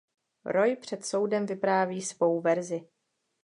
Roy před soudem vypráví svou verzi.